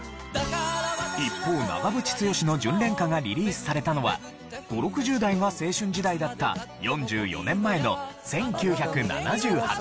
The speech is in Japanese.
一方長渕剛の『巡恋歌』がリリースされたのは５０６０代が青春時代だった４４年前の１９７８年。